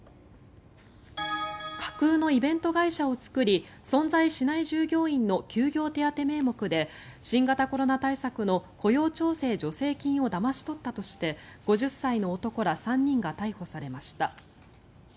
架空のイベント会社を作り存在しない従業員の休業手当名目で新型コロナ対策の雇用調整助成金をだまし取ったとして５０歳の男ら３人が逮捕されました。